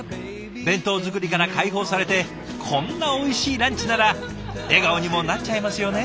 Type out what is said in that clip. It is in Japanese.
弁当作りから解放されてこんなおいしいランチなら笑顔にもなっちゃいますよね。